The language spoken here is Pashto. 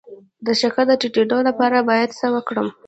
د شکر د ټیټیدو لپاره باید څه وکړم؟